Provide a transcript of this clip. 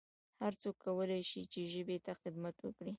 هرڅوک کولای سي چي ژبي ته خدمت وکړي